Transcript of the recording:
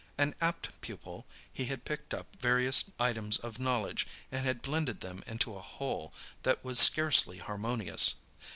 An apt pupil, he had picked up various items of knowledge, and had blended them into a whole that was scarcely harmonious.